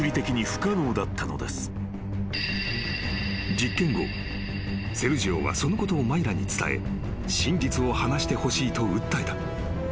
［実験後セルジオはそのことをマイラに伝え真実を話してほしいと訴えた］